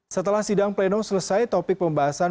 setelah sidang pleno selesai topik pembahasan